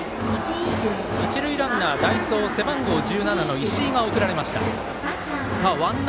一塁ランナー、代走背番号１７、石井が送られました。